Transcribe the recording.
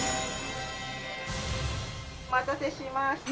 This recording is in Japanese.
「お待たせしました。